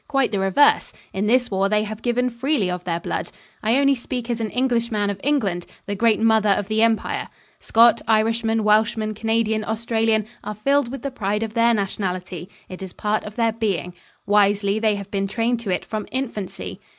Quite the reverse. In this war they have given freely of their blood. I only speak as an Englishman of England, the great Mother of the Empire. Scot, Irishman, Welshman, Canadian, Australian are filled with the pride of their nationality. It is part of their being. Wisely they have been trained to it from infancy.